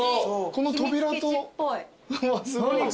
この扉とすごい。